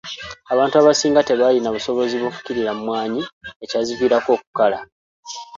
Abantu abasinga tebaalina busobozi bufukirira mmwanyi ekyaziviirako okukala.